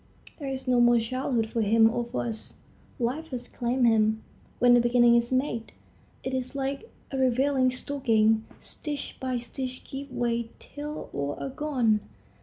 There is no more childhood for him or for us. Life has claimed him. When a beginning is made, it is like a raveling stocking; stitch by stitch gives way till all are gone.